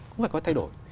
không phải có thay đổi